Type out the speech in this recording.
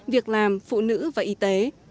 việc làm phụ nữ và y tế